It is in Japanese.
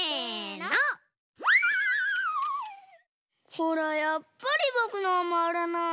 ほらやっぱりぼくのはまわらない！